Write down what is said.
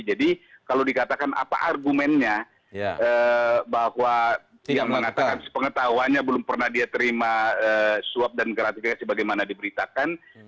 jadi kalau dikatakan apa argumennya bahwa yang mengatakan pengetahuannya belum pernah dia terima swab dan gratifikasi bagaimana diberitakan